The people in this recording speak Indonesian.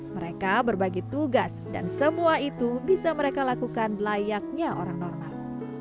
mereka berbagi tugas dan semua itu bisa mereka lakukan layaknya orang normal